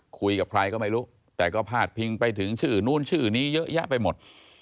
คุยกับใครก็ไม่รู้แต่ก็พาดพิงไปถึงชื่อนู้นชื่อนี้เยอะแยะไปหมด